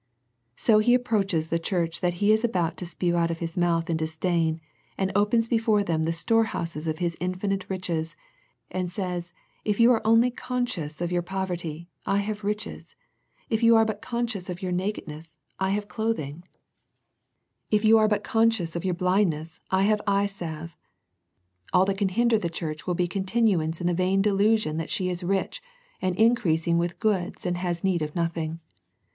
So He approaches the church that He is about to spew out of His mouth in disdain, and opens before them the storehouse of His infinite riches and says If you are only conscious of your poverty, I have riches. If you are but conscious of your nakedness, I have clothing. The Laodicea Letter 207 If you are but conscious of your blindness, I have eye salve. All that can hinder the church will be continuance in the vain delusion that she is rich and increased with goods and has need of nothing.